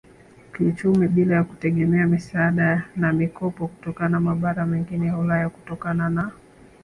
kiuchumi bila ya kutegemea misaada na mikopo kutoka mabara mengine ya ulaya Kutokana na